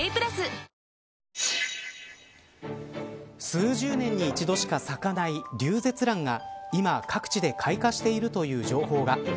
数十年に一度しか咲かないリュウゼツランが今各地で開花しているという情報が。